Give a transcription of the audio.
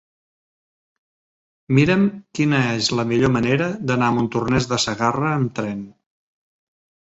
Mira'm quina és la millor manera d'anar a Montornès de Segarra amb tren.